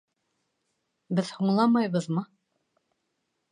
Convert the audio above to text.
Беҙ һуңламайбыҙмы?